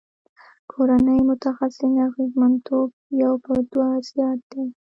کورني متخصصین اغیزمنتوب یو په دوه زیات دی.